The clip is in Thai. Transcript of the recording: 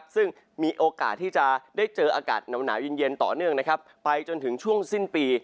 ซึ่งมีโอกาสที่จะได้เจออากาศหนาวเย็นต่อเนื่องไปจนถึงช่วงสิ้นปี